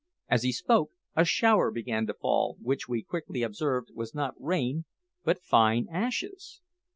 As he spoke, a shower began to fall, which, we quickly observed, was not rain, but fine ashes.